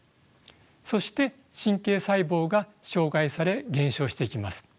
そして神経細胞が障害され減少していきます。